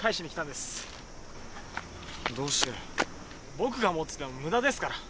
僕が持ってても無駄ですから。